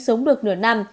sống được nửa năm